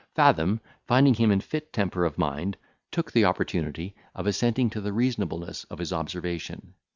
Fathom, finding him in a fit temper of mind, took the opportunity of assenting to the reasonableness of his observation.